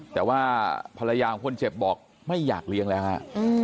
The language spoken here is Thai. แต่ว่าภรรยาของคนเจ็บบอกไม่อยากเลี้ยงแล้วฮะ